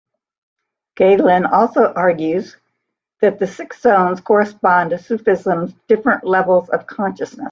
Galin also argues that the six zones correspond to Sufism's different levels of consciousness.